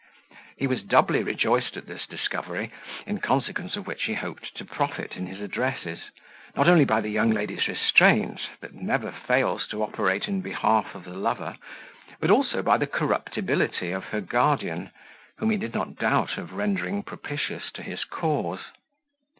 He was doubly rejoiced at this discovery, in consequence of which he hoped to profit in his addresses, not only by the young lady's restraint, that never fails to operate in behalf of the lover, but also by the corruptibility of her guardian, whom he did not doubt of rendering propitious to his cause.